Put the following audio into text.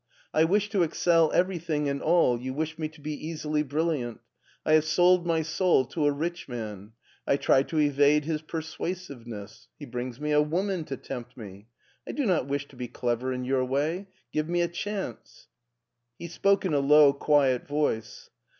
I wish to excel everything and all, you wish me to be easily brilliant. I have sold my soul to a rich man. I try to evade his persuasiveness; he brings me a woman to tempt me. I do not wish to be clever in your way. Give me a chance." He spoke in a low, quiet voice.